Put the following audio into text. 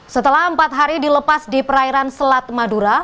setelah empat hari dilepas di perairan selat madura